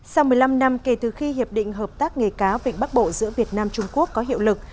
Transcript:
sau một mươi năm năm kể từ khi hiệp định hợp tác nghề cáo vịnh bắc bộ giữa việt nam trung quốc có hiệu lực